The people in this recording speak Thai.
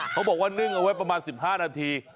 บอกว่านึ่งเอาไว้ประมาณ๑๕นาที